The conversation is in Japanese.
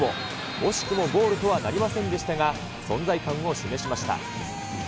惜しくもゴールとはなりませんでしたが、存在感を示しました。